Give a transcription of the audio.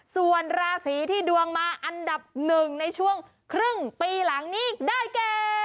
ส่วนราศีที่ดวงมาอันดับหนึ่งในช่วงครึ่งปีหลังนี้ได้แก่